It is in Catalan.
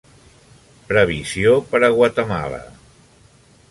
previsió per a Guatemala